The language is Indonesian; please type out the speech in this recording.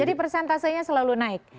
jadi persentasenya selalu naik